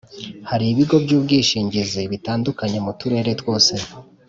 Hari ibigo by’ubwishingizi bitandukanye mu turere twose